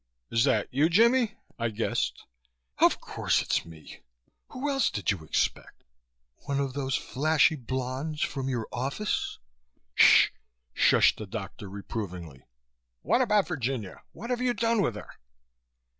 "Is that you, Jimmie?" I guessed. "Of course it's me! Who else did you expect? One of those flashy blondes from your office?" "Sh!" shushed the doctor reprovingly. "What about Virginia? What have you done with her?"